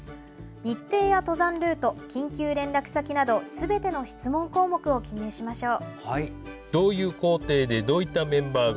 日程や登山ルート緊急連絡先などすべての質問項目を記入しましょう。